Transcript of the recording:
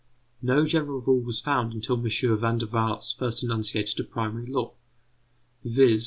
No general rule was found until M. Van der Waals first enunciated a primary law, viz.